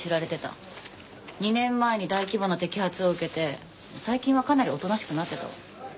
２年前に大規模な摘発を受けて最近はかなりおとなしくなってたわ。